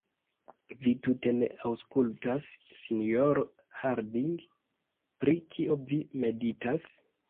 Vi tute ne aŭskultas, sinjoro Harding; pri kio vi meditas?